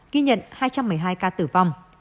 ghi nhận hai trăm một mươi hai ca tử vong